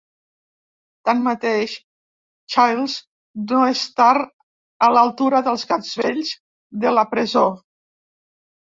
Tanmateix, Childs no estar a l'altura dels "gats vells" de la presó.